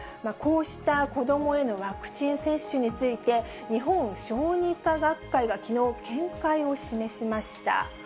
こうした子どもへのワクチン接種について、日本小児科学会がきのう、見解を示しました。